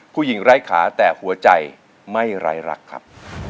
ไร้ขาแต่หัวใจไม่ไร้รักครับ